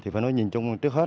phải nói nhìn chung trước hết